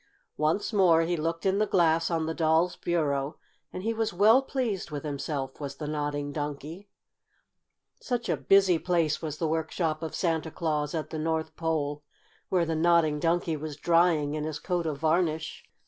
Once more he looked in the glass on the doll's bureau, and he was well pleased with himself, was the Nodding Donkey. Such a busy place was the workshop of Santa Claus at the North Pole, where the Nodding Donkey was drying in his coat of varnish!